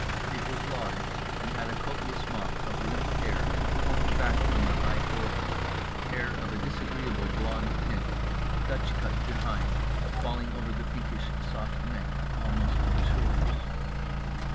It was large, and had a copious mop of limp hair combed back from the high forehead—hair of a disagreeable blond tint, dutch cut behind, falling over the pinkish soft neck almost to the shoulders.